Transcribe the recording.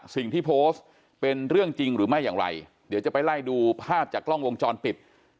สิ่งที่โพสต์เป็นเรื่องจริงหรือไม่อย่างไรเดี๋ยวจะไปไล่ดูภาพจากกล้องวงจรปิด